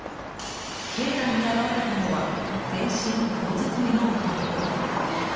境内に現れたのは全身黒ずくめの男。